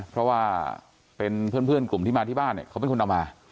เพราะว่าเป็นเพื่อนกลุ่มที่มาที่บ้านเนี่ยเขาเป็นคนเอามา